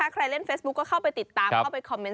ใครเล่นเฟซบุ๊คก็เข้าไปติดตามเข้าไปคอมเมนต